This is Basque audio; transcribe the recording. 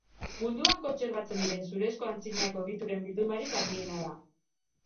Munduan kontserbatzen diren zurezko antzinako egituren bildumarik handiena da.